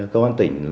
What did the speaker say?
công an tỉnh